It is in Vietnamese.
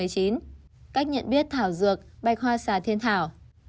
cách nhận biết thảo dược bạch hoa xà thiên thảo